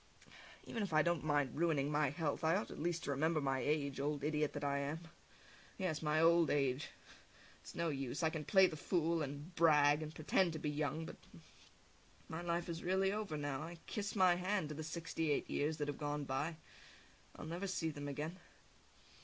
Even if I don't mind ruining my health, I ought at least to remember my age, old idiot that I am! Yes, my old age! It's no use! I can play the fool, and brag, and pretend to be young, but my life is really over now, I kiss my hand to the sixty eight years that have gone by; I'll never see them again!